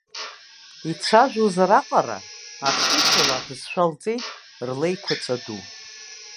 Ицәажәозар аҟара, ашышьала абызшәа лҵеит рлеиқәаҵәа ду.